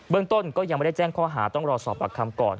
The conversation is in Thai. เรื่องต้นก็ยังไม่ได้แจ้งข้อหาต้องรอสอบปากคำก่อน